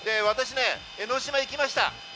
私ね、江の島に行きました。